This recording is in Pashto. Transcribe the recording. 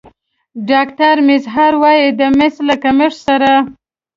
ډاکتر میزهر وايي د مس له کمښت سره